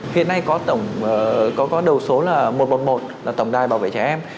hiện nay có tổng đầu số là một trăm một mươi một là tổng đài bảo vệ trẻ em